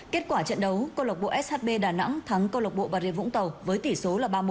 kết quả trận đấu công an tp shb đà nẵng thắng công an tp bà rê vũng tàu với tỷ số ba mươi một